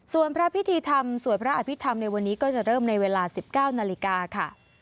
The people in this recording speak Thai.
ส่วนพระพิธีธรรมสวดพระอภิษฐรรมในวันนี้ก็จะเริ่มในเวลา๑๙นาฬิกาค่ะ